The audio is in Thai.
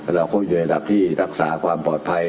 เราก็อยู่ในระดับที่รักษาความปลอดภัย